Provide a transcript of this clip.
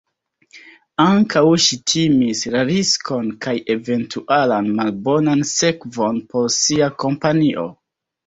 Ankaŭ ŝi timis la riskon kaj eventualan malbonan sekvon por sia kompanio.